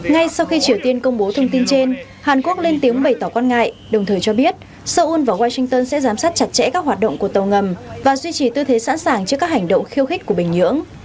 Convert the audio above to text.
ngay sau khi triều tiên công bố thông tin trên hàn quốc lên tiếng bày tỏ quan ngại đồng thời cho biết seoul và washington sẽ giám sát chặt chẽ các hoạt động của tàu ngầm và duy trì tư thế sẵn sàng trước các hành động khiêu khích của bình nhưỡng